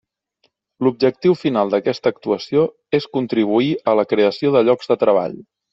L'objectiu final d'aquesta actuació és contribuir a la creació de llocs de treball.